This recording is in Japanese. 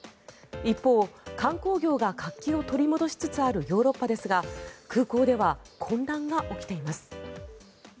一方、観光業が活気を取り戻しつつあるヨーロッパですが空港では混乱が起きています。